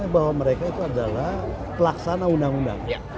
bahwa mereka itu adalah pelaksana undang undang